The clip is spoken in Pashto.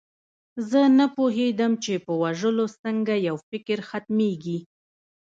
زه نه پوهېدم چې په وژلو څنګه یو فکر ختمیږي